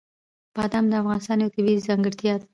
بادام د افغانستان یوه طبیعي ځانګړتیا ده.